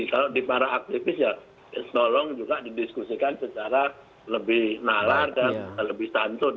kalau di para aktivis ya tolong juga didiskusikan secara lebih nalar dan lebih santun